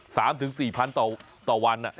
๓๔พันบาทต่อวัน